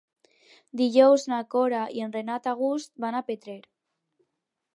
Dijous na Cora i en Renat August van a Petrer.